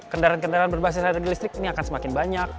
kendaraan kendaraan berbasis energi listrik ini akan semakin banyak